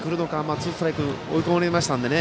ツーストライクに追い込まれましたのでね。